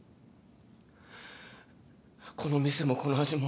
この店もこの味も